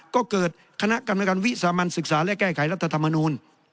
ก็เกิดคณะกรรมการวิสามันศึกษาและแก้ไขรัฐธรรมนูล